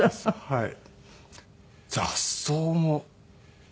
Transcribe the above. はい。